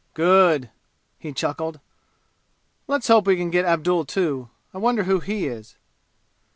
"Good!" he chuckled. "Let's hope we get Abdul too. I wonder who he is!"